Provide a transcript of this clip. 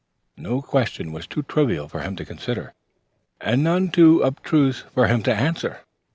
No question was too trivial for him to consider, and none too abstruse for him to answer.